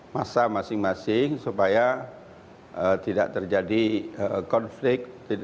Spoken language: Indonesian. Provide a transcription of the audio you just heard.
masa masing masing supaya tidak terjadi konflik